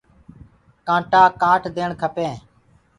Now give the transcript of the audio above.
ڪآٽآ ڪآٽ ديڻ کپينٚ۔